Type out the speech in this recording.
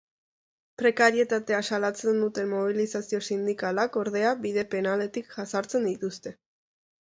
Prekarietatea salatzen duten mobilizazio sindikalak, ordea, bide penaletik jazartzen dituzte.